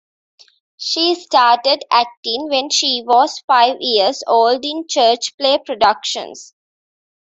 She started acting when she was five years old in church play productions.